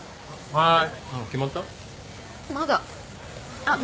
はい。